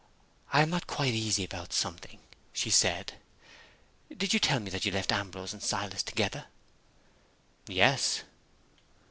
"I am not quite easy about something," she said. "Did you tell me that you left Ambrose and Silas together?" "Yes."